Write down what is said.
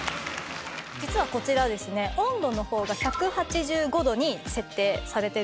実はこちらですね温度の方が１８５度に設定されてるんですよね。